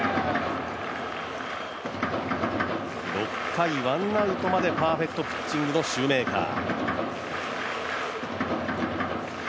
６回、ワンアウトまでパーフェクトピッチングのシューメーカー。